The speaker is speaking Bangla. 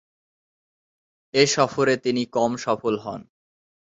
এ সফরে তিনি কম সফল হন।